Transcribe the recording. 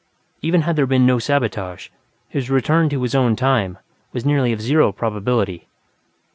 Even had there been no sabotage, his return to his own "time" was nearly of zero probability.